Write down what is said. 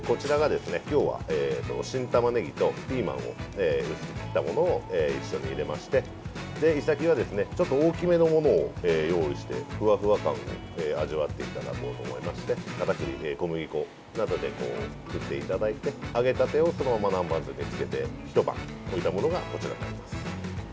今日は新たまねぎとピーマンを薄く切ったものを一緒に入れましてイサキは大きめのものを用意して、ふわふわ感を味わっていただこうと思いましてかたくり粉、小麦粉などで揚げていただいて、揚げたてをそのまま南蛮漬けにしてひと晩置いたものがこちらになります。